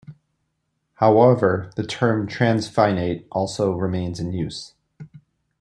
However, the term "transfinite" also remains in use.